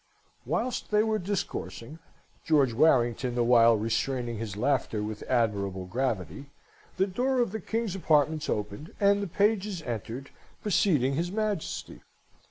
Whilst they were discoursing George Warrington the while restraining his laughter with admirable gravity the door of the King's apartments opened, and the pages entered, preceding his Majesty.